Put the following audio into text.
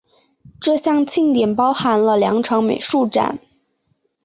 这项庆典包含了两场美术展。